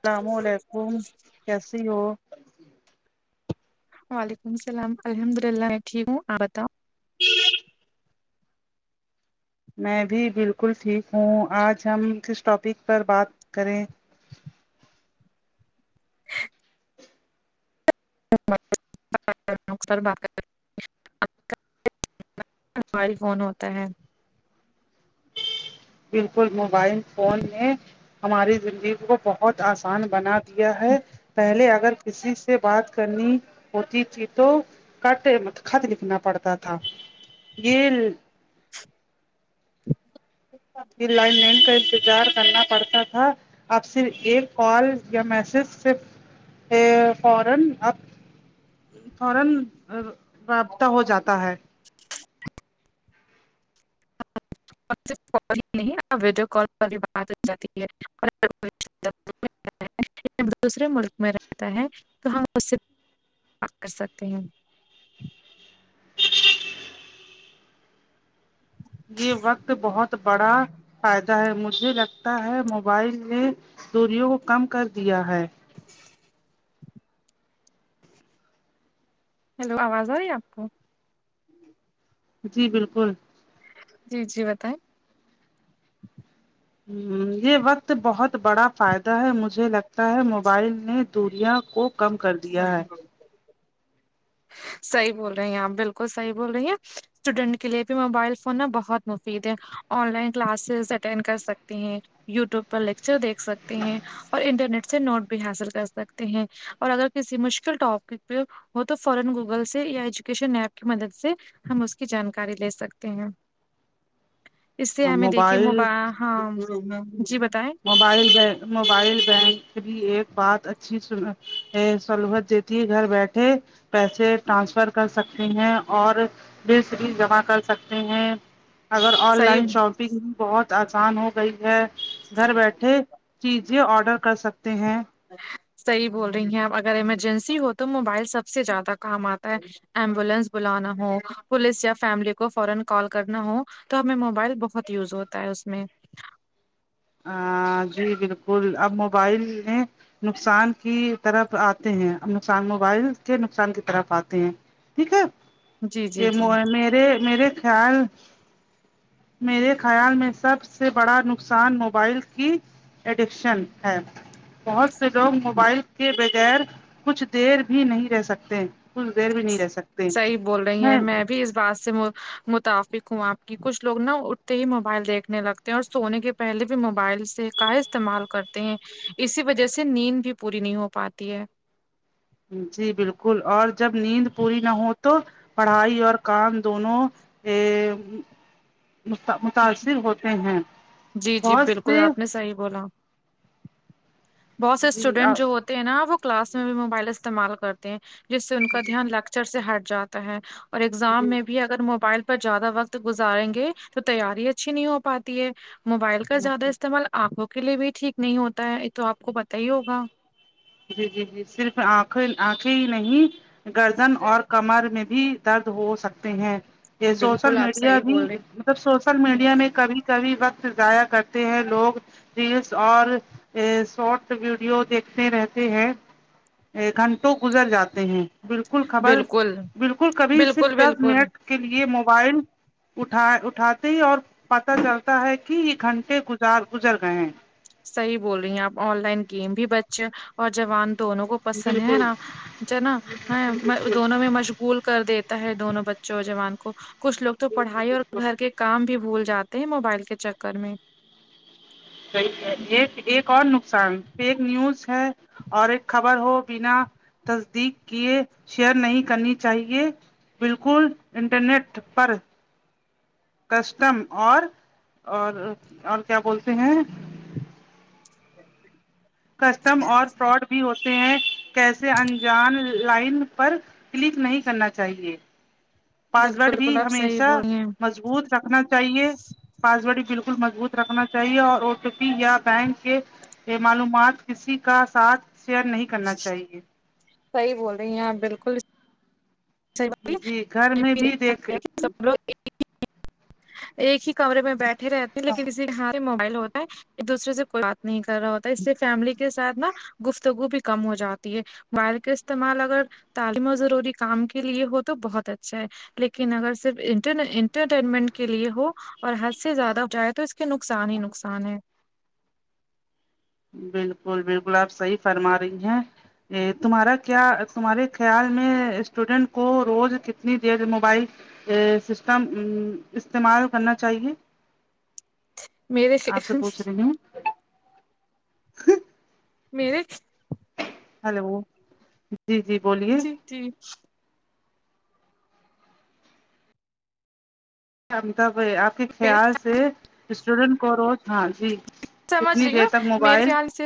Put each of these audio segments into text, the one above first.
اللام علیکم کیسی ہو وعلیکم السلام الحمد اللہ ٹھیک ہوں آپ بتاؤ میں بھی بالکل ٹھیک ہوں آج ہم کس ٹاپک پر بات کریں ر بق ہماری فون ہوتا ہے بالکل موبائل فون نے ہماری زندگی کو بہت آسان بنا دیا ہے پہلے اگر کسی سے بات کرنی ہوتی تھی تو کٹ م خط لکھنا پڑتا تھا یہ اچا لائن مین کا انتظار کرنا پڑتا تھا آپ صرف ایک کال یا میسج سے فارن آ فورن رابطہ ہو جاتا ہے کال ہی نہیں ویڈیو کال پر بھی بات ہو جاتی ہے اور جب دوسرے ملک میں رہتا ہے تو ہم اس سے پ کر سکتے ہیں یہ وقت بہت بڑا فائدہ ہے مجھے لگتا ہے موبائل میں دوریوں کو کم کر دیا ہے ہیلو آواز آ رہی ہے آپ کو جی بالکل جی جی بتائیں ہ یہ وقت بہت بڑا فائدہ ہے مجھے لگتا ہے موبائل نے دوریا کو کم کر [inaudible] دیا ہے صحیح بول رہے ہیں آپ بالکل صحیح بول رہی ہیں اسٹوڈینٹ کے لیے بھی موبائل فون نا بہت مفید ہے آن لائن کلاسز اٹینڈ کر سکتے ہیں یوٹیوب پر لیکچر دیکھ سکتے ہیں اور انٹرنیٹ سے نوٹ بھی حاصل کر سکتے ہیں [inaudible] ہم اس کی جانکاری لے سکتے ہیں اس سے ہمیں دیکھیے موبائل مب ہاں جی بتائیں موبائل موبائل بینک بھی ایک بات اچھی سلت گھر بیٹھے پیسے ٹرانسفر کر سکتے ہیں اور بس بھی جمع کر سکتے ہیں اگر آن لائن صحیح شاپنگ بھی بہت آسان ہو گئی ہے گھر بیٹھے چیزیں آڈر کر سکتے ہیں صحیح بول رہی ہیں اب اگر ایمرجنسی ہو تو موبائل سب سے زیادہ کام آتا ہے [inaudible] تو ہمیں موبائل بہت یوز ہوتا ہے اس میں ہ جی بالکل اب موبائل نے نقصان کی طرف آتے ہیں نقصان موبائل کے نقصان کی طرف آتے ہیں ٹھیک ہے جی جی ج جی م میرے میرے خیال میرے خیال میں سب سے بڑا نقصانو وبائل کی ایڈکشن ہے بہت سے لوگ موبائل کے ب یر کچھ دیر بھی نہیں رہ سکتے کچھ دیر بھی نہیں رہ سکتے صحیح بول رہی ہیں میں بھی اس بات سے متفق ہوں آپ کی کچھ لوگ نا اٹھتے ہی موبائل دیکھنے لگتے اور سونے کے پہلے بھی موبائل سے کا استعمال کرتے ہیں اسی وجہ سے نیند بھی پوری نہیں ہو پاتی ہے جی بالکل اور جب نیند پوری نہ ہو تو پڑھائی اور کام دونوں ا متاثر ہوتے ہیں بہت سے صحی بولا بہت سے جی اسٹوڈینٹ جو ہوتے ہیں نا وہ کلاس میں بھی موبائل استعمال کرتے جس سے ان کا دھیان لیکچر سے ہٹ جاتا ہے اور ایگزام میں بھی ا اگر موبائل پر زیادہ وقت گزاریں گے تو تیاری اچھی نہیں ہو پاتی ہے موبائل کا زیادہ جی استعمال آنکھوں کے لیے بھی ٹھیک نہیں ہوتا ہے یہ تو آپ کو پتا ہی ہوگا جی جی جی صرف آنکھیں آنکھیں ہی نہیں گردن اور کمر میں بھی درد ہو سکتے ہیں یہ سوشل بالکل آپ میڈیا صحیح بھی بول رہے مطلب سوشل میڈیا میں کبھی کبھی وقت ضاائع کرتے ہیں لوگ ریلس اور شارٹ ویڈیو دیکھتے رہتے ہے ایک گھنٹوں گزر جاتے ہیں بالکل ہیں خبر بالکل بالکل کبھی بالکل صرف دس بالکل منٹ کے لیے موبائل اٹھا اٹھاتے ہی اور پتہ چلتا ہے کہ یہ گھنٹے گزار گزر گئے ہیں صحیح بول رہی ہیں آپ آن لائن گیم بھی بچے اور جوان دونوں کو بالکل پسند ہے نا ج نا بالکل بالکل دونوں میں مش اسکول کر دیتا ہے دونوں بچوں اور جوان کو کچھ لوگ تو جی جی پڑھائی اور بالکل گھر کے کام بھی بھول جاتے ہیں موبائل کے چکر میں صحی ایک ایک اور نقصان ایک نیوز ہے اور ایک خبر ہو بنا تصدیق کیے شیئر نہیں کرنی چاہیے بالکل انٹرنیٹ پر کسٹم اور اور اور کیا بولتے ہیں کسٹم اور فراڈ بھی ہوتے ہیں کیسے انجان لائن پر کلک نہیں کرنا چاہیے بالکل پاسورڈ بھی بالکل آپ صحیح ہمیشہ بول رہی ہیں مضبوط رکھنا چاہیے پاسورڈ ہی بالکل مضبوط رکھنا چاہیے اور یا بینک کے معلومات کسی کا ساتھ شیئر نہیں کرنا چاہیے صحی بول رہی ہیں آ بالکل ب [unintelligible] جی گھر میں بھی دیکھ س لوگ ایک ہی کمرے میں بیٹھے رہتےے لیکن اسی یہاںار سے موبائل ہوتا ہے ایک دوسرے سے کوئی بات نہیں کر رہا ہوتا ہے اس سے فیملی کے ساتھ نا گفتگو بھی کم ہو جاتی ہے موبائل کا استعمال اگر تعلیم و ضروری کام کے لیے ہو تو بہت اچھا ہے لیکن اگر صرف انٹرٹینمنٹ کے لیے ہو اور حد سے زیادہ ہو جائے تو اس کہ نقصان ہی نقصان ہے بالکل بالکل آپ صحیح فرما رہی ہیں ا تمہارا کیا تمہارے خیال میں اسٹوڈینٹ کو روز کتنی دیر موبائل ا سسٹم استعمال کرنا چاہیے میرے آپ سے پوچھ رہی ہیں ہ [unintelligible] [inaudible] میرے ہیلو جی جی بولیے جی جی امتابھ آپ کے میرے خیال سے اسٹوڈینٹ کو رو تھا جی کتنی دیر تک موبائل س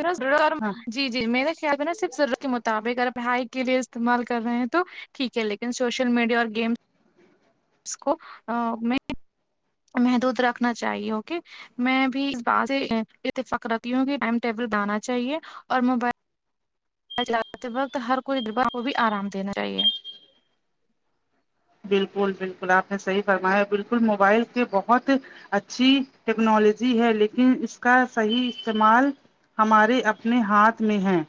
ہاں جی جی میرے خیال میں نا صرف ضرورت کے مطابق اگر پڑ ہائی کے لیے استعمال کر رہے ہیں تو ٹھیک ہے لیکن سوشل میڈیا اور گیمس کو میں محدود رکھنا چاہیے اک میں بھی اس بات سے اتفقرتی ہوں کہ ٹائم ٹیبل دانا چاہیے اور موبائل چلاتے وقت ہر کوئی دربار کو بھی آرام دینا چاہیے بالکل بالکل آپ نے صحیح فرمایا بالکل موبائل کے بہت اچھی ٹیکنالوجی ہے لیکن اس کا صحیح استعمال ہمارے اپنے ہاتھ میں ہیں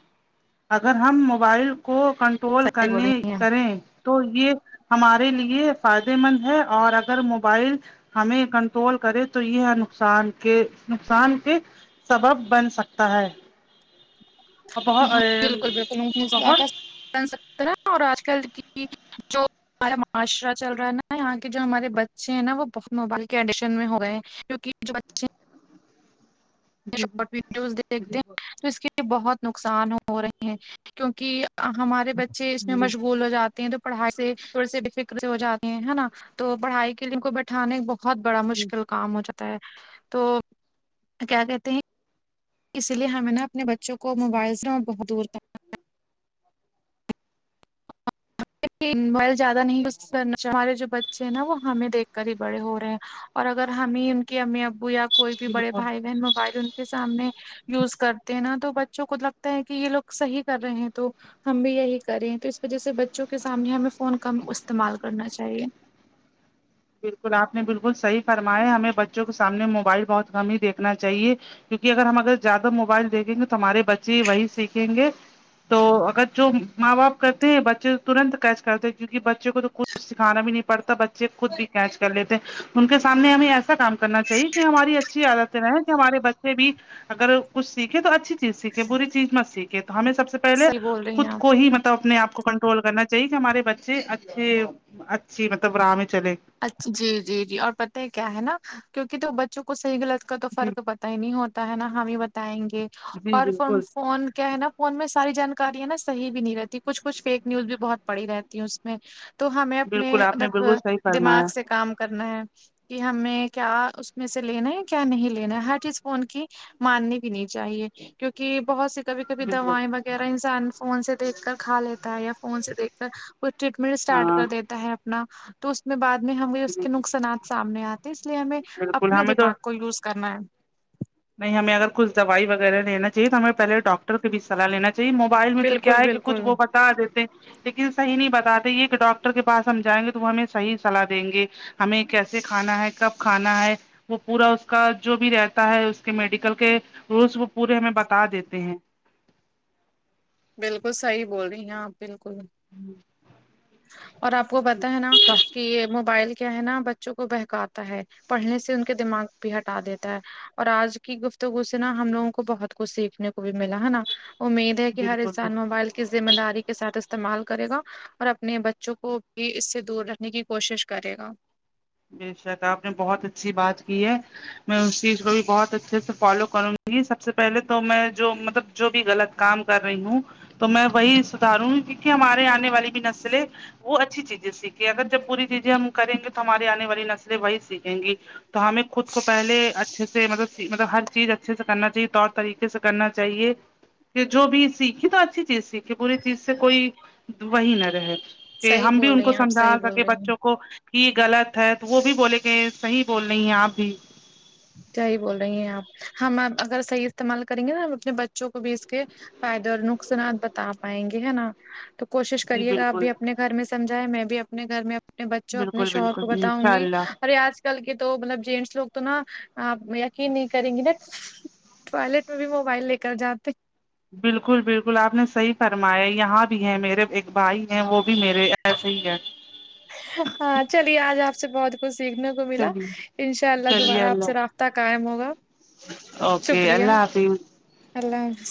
اگر ہم موبائل کو کنٹ توول صحیح بول کرنے رہی کریں تو یہ ہمارے لیے فائدے مند ہے اور اگر موبائل ہمیں کنٹرول کرے تو یہ ہے نقصان کے نقصان کے سبب بن سکتا ہے بہت بالکل بالکل آ بہت نسرح اور آج کل کی جو ہمارا معاشرہ چل رہا ہے نا یہاں جو ہمارے بچے ہیں نا وہ بہت موبائل کے ایڈیشن میں ہو گئے ہیں کی جو بے شارٹ جی ویڈیوز دیکھتے ہیں تو اس کی بہت نقصان ہو رہے ہیں کیونکہ ہمارے بچے اس میں جی جی مشغول ہو جاتے ہیں تو پڑھائی سے تھوڑے س ڈفک ہو جاتی ہیں نا تو پڑھائی کے لیے ان کو بیٹھانے ب بہت بڑا مشکل کام ہو جاتا ہے تو کیا کہتے ہیں اسی لیے ہمیں نا اپنے بچوں کو موبائل سے اور بہت دور تک موائل زیادہ نہیں کرنا ہمارے جو بچے ہیں نا وہ ہمیں دیکھ کر ہی بڑے ہو رہے ہیں اور اگر ہمیں ان کے امی ابو یا کوئی بھی جی بڑے بالکل بھائی بہن موبائل ان کے سامنے یوز کرتے ہیں نا تو بچوں کو لگتا ہے کہ یہ لوگ صحیح کر رہے ہیں تو ہم بھی یہی کریں ہیں تو اس وجہ سے بچوں کے سامنے ہمیں فون کم استعمال کرنا چاہیے بالکل آپ نے بالکل صحی فرمایا ہمیں بچوں کے سامنے موبائل بہت گم ہی دیکھنا چاہیے کیونکہ اگر ہم اگر زیادہ موبائل دیکھیں گے تو ہمارے بچے وہی سیکھیں گے تو اگر جو ماں باپ کرتے ہیں بچے ترنت کیچ کرتے ہیں کیونکہ بچے کو تو کچھ کچھ سکھانا بھی نہیں پڑتا بچے خود بھی کیچ کر لیتے ہیں ان کے سامنے ہمیں ایسا کام کرنا چاہیے کہ ہماری ا اچھی عادتیں کہ ہمارے بچے بھی اگر کچھ سیکھے تو اچھی چیز سیکھے بری چیز مت سیکھے تو ہمیں سب سے پہل صحیح بول رہی ہیں خود آپ کو ہی مطلب اپنے آ کو کنٹ ٹول کرنا چاہیے کہ ہمارے بچے اچھے اچھی مطلب راہ میں چلے اچھا جی جی جی اور پت ہے کیا ہے نا کیونکہ تو بچوں کو صحیح گلط اس کا تو جی فرق پتا ہی نہیں ہوتا ہے نا ہم ہی بتائیں گے جی اور ف بالکل فون کیا ہے نا فون میں ساری جانکاری ہے نا صح بھی نہیں رہتی کچھ کچھ فیک نیوز بھی بہت پڑی رہتی اس میں تو ہمیں اپنے بالکل آپ نے مطلب بالکل صحیح دماغ فرمایا سے کام کرنا ہے کہ ہمیں کیا اس میں سے لینا ہے کیا نہیں لینا ہے ہر چیز فون کی ماننی بھی نہیں چاہیے کیونکہ بہت سی کبھی کبھی بالکل دوائیں وغیرہ انسان فون سے دیکھ کر کھا لیتا ہے یا فون سے دیکھ وہ ٹریٹمنٹ اسٹارٹ ہاں کر دیتا ہے اپنا تو بعد میں ہم بھی اس کے نقصانات سامنے آتے اس لیے ہمیں بالکل اپنے ہمیں تو دماغ کو یوز کرنا ہے نہیں ہمیں اگر کچ دوائی وغیرہ لینااہے تو ہمیں پہلے ڈاکٹر بھی سلاح لینا ج موبائل میں تو کیا بالکل ہے کہ کچھ بالکل وہ بتا دیتے ہیں لیکن صحی نہیں بتاتے یہ کہ ڈاکٹر کے پاس ہم جائیں گے تو وہ ہمیں صحیح صلاح دیں گے ہمیں کیسے کھانا ہے کب کھانا ہے وہ پورا اس کا جو بھی رہتا ہے میڈیکل کے رولس وہ پورے ہمیں بتا دیتے ہیں بالکل صحیح بول رہی ہیں آپ بالکل ہی اور آپ کو پتا ہے نا کہ یہ موبائل کیا ہے نا بچوں کو بہکاتا ہے پڑھنے سے ان کے دماغ بھی ہٹا دیتا ہے اور آج کی گفتگو سے نا ہم لگوں کو بہت کچھ سیکھنے کو بھی ملا ہے نا امید ہے کہ ہر بالکل انسان موبائل کی ذمہ داری کے ساتھ استعمال کرے گا اور اپنے بچوں کو بھی اس سے دور رکھنے کی کوشش کرے گا ا شا تو آپ نے بہت اچھی بات کی ہے میں اس چیز کو بھی بہت اچھے سے فالو کروں گی سب سے پہلے تو میں جو مطلب جو بھی غلط کام کر رہی ہوں تو میں وہی سداروں گی کیونکہ ہمارے آنے والی بھی نسلیں وہ اچھی چیزیں سیکھییں اگر جب پوری چیزیں ہم کریں گے تو ہمارے آنے والی نسلیں وہی سیکھیں گی تو ہمیں خود کو پہلے اچھے سے مطلب مطلب ہر چیز اچھے سے کرنا چاہیے طور طریقے سے کرنا چاہیے کہ جو بھی سیکھی تو اچھی چیز سیکھی بری چیز سے کوئی وہی نہ رہے کہ صحیح ہم بھی بول ان رہی کو ہیں آپ سمجھا صحیح بول سکے رہی ہیں بچوں کو کہ غلط ہے تو وہ بھی بولے گے صحیح بول رہی ہیں آپ بھی صحی بول رہی ہیں آپ ہم ا اگر صحیح استعمال کریں گے نا ہم اپنے بچوں کو بھی اس کے فائدے اور نقصانات بتا پائیں گے ہے نا تو کوشش جی کریے گا آپ بالکل بھی اپنے گھر میں سمجھائیں میں بھی اپنے گھر میں اپنے بچوں اپنے بالکل شوہر کو بالکل بتاؤں انشاء گی اللہ ارے آج کل کے تو مطلب جینٹس لوگ تو نا آپ یقین نہیں کریں گی نا ٹوائلٹ میں بھی موبائل لے کر جاتے بالکل بالکل آپ نے صحیح فرمایا یہاں بھی ہے میرے ایک بھائی ہیں وہ بھی میرے ایسے ہی ہے ہاں چلیے آج آپ سے بہت کچھ سیکھنے کو ملا چلیے ان شاء اللہ چلیے دوبارہ آپ سے اللہ رابطہ قائم ہوگا اوکے شکریہ اللہ آپی اللہ حفظ